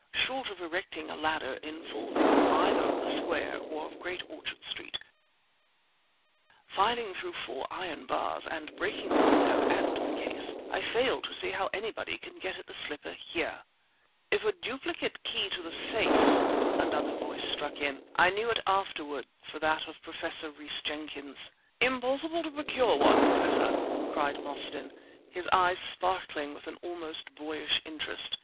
Short of erecting a ladder in full view either of the Square or of Great Orchard Street, filing through four iron bars and breaking the window and the case, I fail to see how anybody can get at the slipper here." "If a duplicate key to the safe—" another voice struck in; I knew it afterward for that of Professor Rhys Jenkyns. "Impossible to procure one, Professor," cried Mostyn, his eyes sparkling with an almost boyish interest.